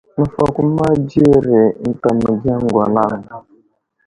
Nəfakoma dzire ənta məgiya ŋgalaŋ.